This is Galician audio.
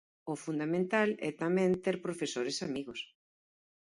O fundamental é tamén ter profesores amigos.